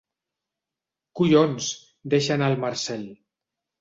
Collons —deixa anar el Marcel—.